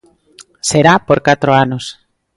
Será por catro anos.